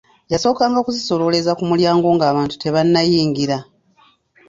Yasookanga kuzisolooleza ku mulyango ng'abantu tebanayingira.